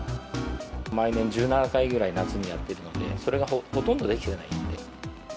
毎年、１７回ぐらい、夏にやってるので、それがほとんどできていないので。